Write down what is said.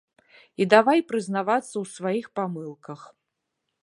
І давай прызнавацца ў сваіх памылках.